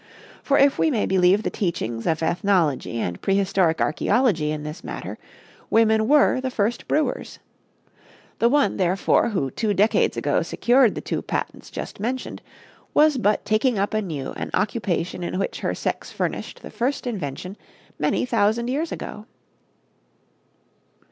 For, if we may believe the teachings of ethnology and prehistoric archæology in this matter, women were the first brewers. The one, therefore, who two decades ago secured the two patents just mentioned was but taking up anew an occupation in which her sex furnished the first invention many thousand years ago.